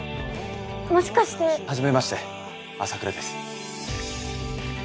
もしかして初めまして麻倉です